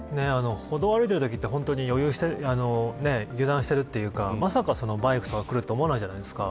歩道を歩いているときって油断してるというか、まさかバイクが来るとは思わないじゃないですか。